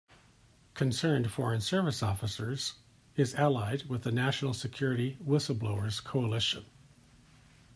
Concerned Foreign Service Officers is allied with the National Security Whistle Blowers Coalition.